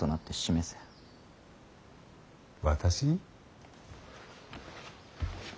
私？